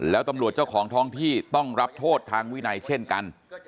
แล้วตำรวจเจ้าของท้องที่ต้องรับโทษทางวินัยเช่นกัน